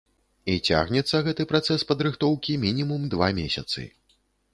І цягнецца гэты працэс падрыхтоўкі мінімум два месяцы.